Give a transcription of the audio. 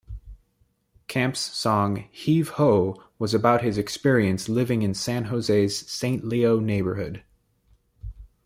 Camp's song Heave-Ho was about his experience living in San Jose's Saint Leo neighborhood.